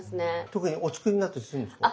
特にお作りになったりするんですか？